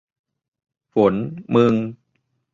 ฝน มึง